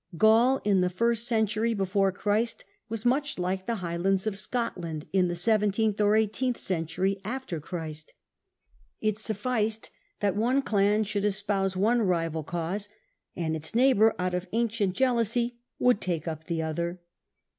Gaul, in the first century before Christ, was much like the Highlands of Scotland in the seventeenth or eighteenth century after Christ. It sufficed that one clan should espouse one rival cause, and its neighbour out of ancient jealousy would take up the other.